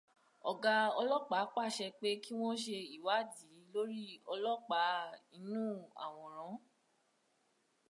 Ọ̀gá ọlọ́pàá pàṣẹ pé kí wọ́n ṣé ìwádìí lórí ọlọ́pàá inú àwòrán.